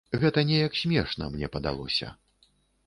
Гэта неяк смешна, мне падалося.